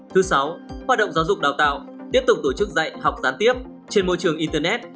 thứ sáu hoạt động giáo dục đào tạo tiếp tục tổ chức dạy học gián tiếp trên môi trường internet